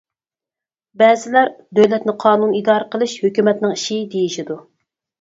بەزىلەر دۆلەتنى قانۇن ئىدارە قىلىش ھۆكۈمەتنىڭ ئىشى، دېيىشىدۇ.